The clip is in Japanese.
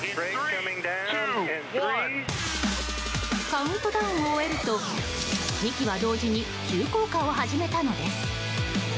カウントダウンを終えると２機は同時に急降下を始めたのです。